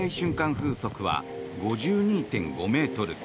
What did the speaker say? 風速は５２．５ｍ。